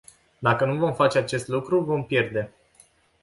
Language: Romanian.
Dacă nu vom face acest lucru, vom pierde.